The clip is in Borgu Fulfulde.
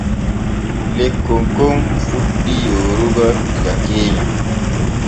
Lekkon kon fuɗɗi yoorugo diga keenya.